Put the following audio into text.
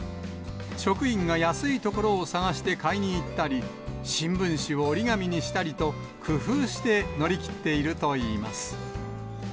職員が安い所を探して買いに行ったり、新聞紙を折り紙にしたりと、工夫して乗り切っているといいます。